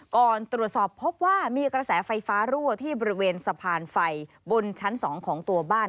ตรวจสอบพบว่ามีกระแสไฟฟ้ารั่วที่บริเวณสะพานไฟบนชั้น๒ของตัวบ้าน